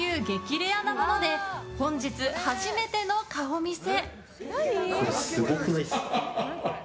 レアなもので本日初めての顔見せ。